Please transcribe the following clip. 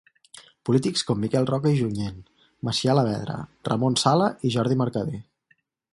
Polítics com Miquel Roca i Junyent, Macià Alavedra, Ramon Sala i Jordi Mercader.